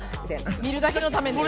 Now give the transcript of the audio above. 見るだけのために。